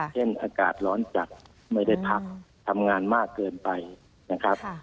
อากาศร้อนจัดไม่ได้พักทำงานมากเกินไปนะครับ